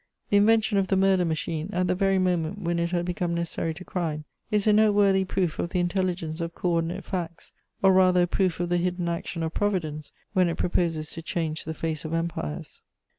The invention of the murder machine, at the very moment when it had become necessary to crime, is a noteworthy proof of the intelligence of co ordinate facts, or rather a proof of the hidden action of Providence when it proposes to change the face of empires.